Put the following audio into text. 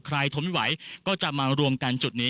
ทนไม่ไหวก็จะมารวมกันจุดนี้